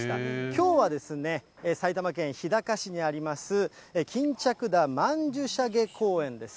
きょうはですね、埼玉県日高市にあります、巾着田曼殊沙華公園です。